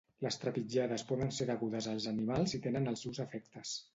Les trepitjades poden ser degudes als animals i tenen els seus efectes.